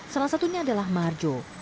salah satunya adalah marjo